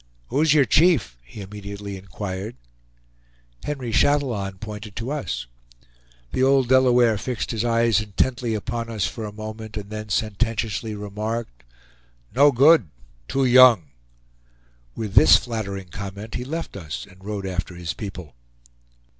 "Who's your chief?" he immediately inquired. Henry Chatillon pointed to us. The old Delaware fixed his eyes intently upon us for a moment, and then sententiously remarked: "No good! Too young!" With this flattering comment he left us, and rode after his people.